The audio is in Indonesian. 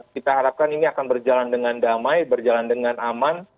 kita harapkan ini akan berjalan dengan damai berjalan dengan aman